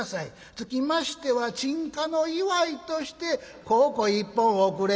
つきましては鎮火の祝いとして香香１本おくれ』」。